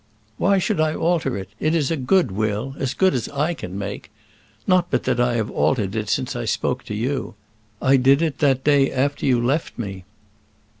"Why should I alter it? It is a good will; as good as I can make. Not but that I have altered it since I spoke to you. I did it that day after you left me."